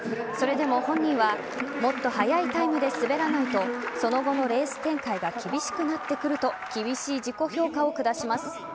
それでも本人はもっと速いタイムで滑らないとその後のレース展開が厳しくなってくると厳しい自己評価を下します。